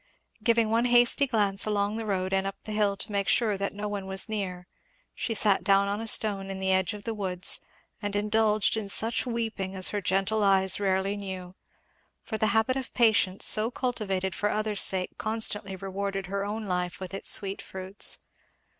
Giving one hasty glance along the road and up the hill to make sure that no one was near she sat down on a stone in the edge of the woods, and indulged in such weeping as her gentle eyes rarely knew; for the habit of patience so cultivated for others' sake constantly rewarded her own life with its sweet fruits.